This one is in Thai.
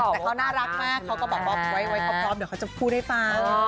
แต่เขาน่ารักมากเขาก็แบบว่าไว้เขาพร้อมเดี๋ยวเขาจะพูดให้ฟัง